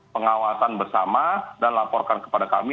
pengawasan bersama dan laporkan kepada kami